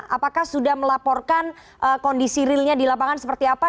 apakah sudah melaporkan kondisi realnya di lapangan seperti apa